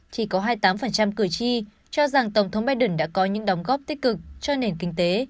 chỉ có hai mươi tám cử tri cho rằng tổng thống biden đã có những đóng góp tích cực cho nền kinh tế